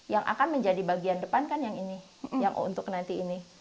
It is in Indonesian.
yang akan menjadi bagian depan kan yang ini yang untuk nanti ini